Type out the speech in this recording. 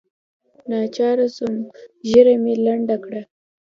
ناچاره سوم ږيره مې لنډه کړه.